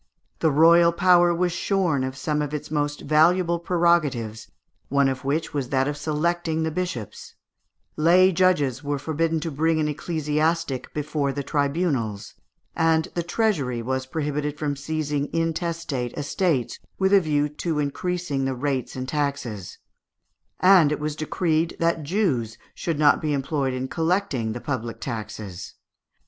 The royal power was shorn of some of its most valuable prerogatives, one of which was that of selecting the bishops; lay judges were forbidden to bring an ecclesiastic before the tribunals; and the treasury was prohibited from seizing intestate estates, with a view to increasing the rates and taxes; and it was decreed that Jews should not be employed in collecting the public taxes.